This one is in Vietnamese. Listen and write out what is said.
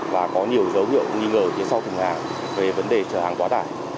và có nhiều dấu hiệu nghi ngờ phía sau thùng hàng về vấn đề chở hàng quá tải